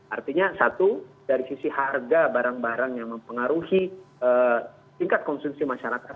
artinya satu dari sisi harga barang barang yang mempengaruhi tingkat konsumsi masyarakat